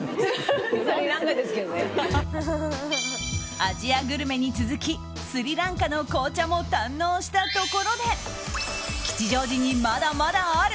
アジアグルメに続きスリランカの紅茶も堪能したところで吉祥寺にまだまだある。